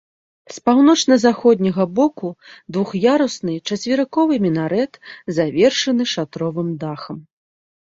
З паўночна-заходняга боку двух'ярусны чацверыковы мінарэт, завершаны шатровым дахам.